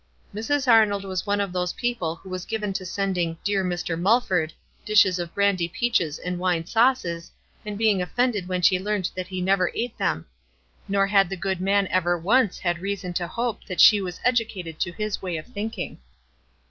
Mrs. Arnold was one of those people who w T as given to sending "dear Dr. Mulford" dishes of brandy peaches and wine sauces, and being offended w'hen she learned that he never ate them ; nor had the good man ever once had rea son to hope that she was educated to his way of thinking."